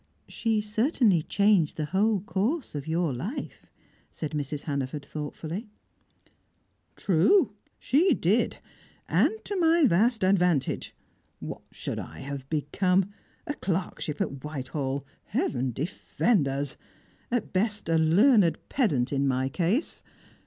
"She certainly changed the whole course of your life," said Mrs. Hannaford thoughtfully. "True, she did. And to my vast advantage! What should I have become? A clerkship at Whitehall heaven defend us! At best a learned pedant, in my case.